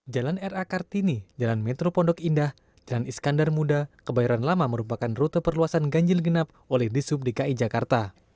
jalan ra kartini jalan metro pondok indah jalan iskandar muda kebayoran lama merupakan rute perluasan ganjil genap oleh disub dki jakarta